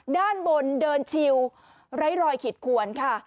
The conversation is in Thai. ด้านบนเดินชิวไร้รอยขีดขวนค่ะ